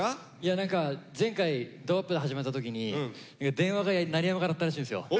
何か前回ドアップで始まった時に電話が鳴りやまなかったらしいんですよ。